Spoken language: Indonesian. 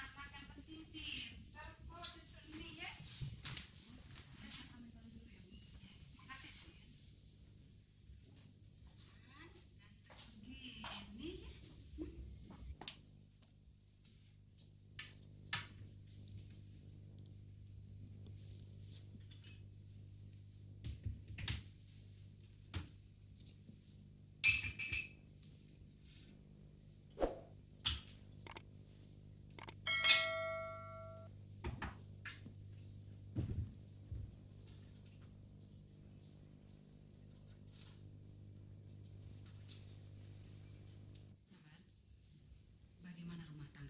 karena saya sudah punya anak